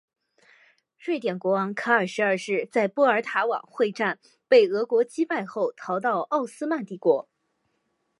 瑞典国王卡尔十二世在波尔塔瓦会战被俄国击败后逃到奥斯曼帝国。